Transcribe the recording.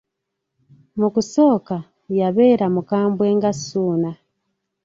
Mu kusooka, yabeera mukambwe nga Ssuuna.